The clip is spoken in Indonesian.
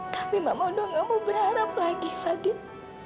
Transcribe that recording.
tapi mama udah gak mau berharap lagi fadil